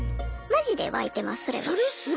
マジで湧いてますそれは。